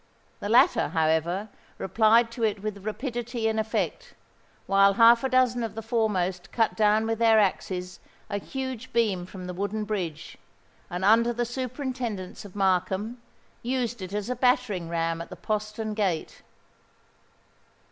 The latter, however, replied to it with rapidity and effect, while half a dozen of the foremost cut down with their axes a huge beam from the wooden bridge, and, under the superintendence of Markham, used it as a battering ram at the postern gate.